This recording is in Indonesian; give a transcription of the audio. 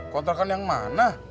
kontrakan yang mana